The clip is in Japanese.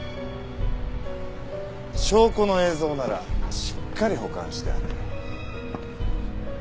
証拠の映像ならしっかり保管してある。